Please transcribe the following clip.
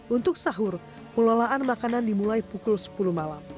untuk sahur pengelolaan makanan dimulai pukul sepuluh malam